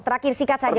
terakhir sikat saja